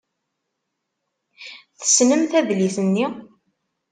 Tessnemt adlis-nni.